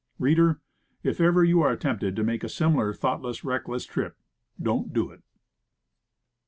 Reader, if ever you are tempted to make a similar thoughtless, reckless trip don't do it.